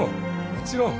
もちろん。